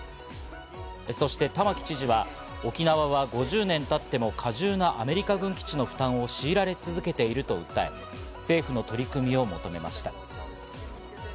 そして玉城知事は沖縄は５０年経っても過重なアメリカ軍基地の負担を強いられ続けていると訴え、政府の取り組みを求めました。